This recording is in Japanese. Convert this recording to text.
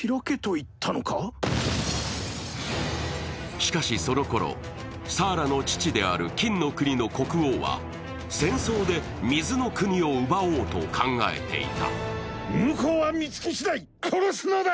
しかしその頃、サーラの父である金の国の国王は戦争で水の国を奪おうと考えていた。